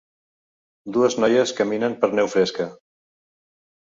Dues noies caminen per neu fresca.